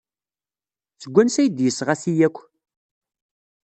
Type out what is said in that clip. Seg wansi ay d-yesɣa ti akk?